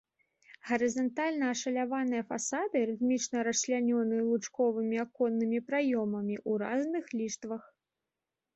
Гарызантальна ашаляваныя фасады рытмічна расчлянёны лучковымі аконнымі праёмамі ў разных ліштвах.